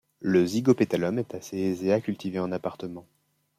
Le zygopetalum est assez aisé à cultiver en appartement.